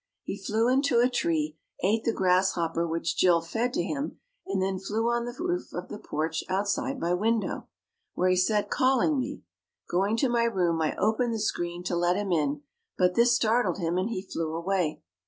He flew into a tree, ate the grasshopper which Jill fed to him, and then flew on the roof of the porch outside my window, where he sat calling me. Going to my room I opened the screen to let him in, but this startled him and he flew away.